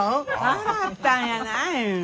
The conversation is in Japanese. さらったんやない。